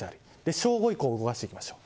正午以降を動かしていきましょう。